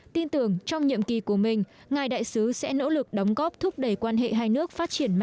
tin tưởng trong nhiệm kỳ của mình ngài đại sứ sẽ nỗ lực đóng góp thúc đẩy quan hệ hai nước phát triển mạnh mẽ